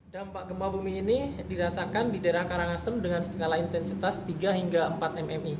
dampak gempa bumi ini dirasakan di daerah karangasem dengan skala intensitas tiga hingga empat mmi